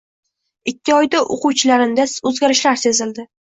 Ikki oyda o‘quvchilarimizda o‘zgarishlar sezildi.